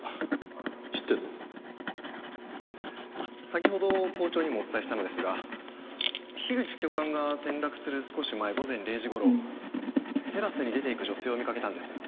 先ほど校長にもお伝えしたのですが樋口教官が転落する少し前午前０時頃テラスに出て行く女性を見かけたんです。